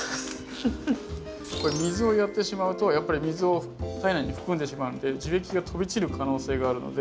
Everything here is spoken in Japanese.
これ水をやってしまうとやっぱり水を体内に含んでしまうので樹液が飛び散る可能性があるので。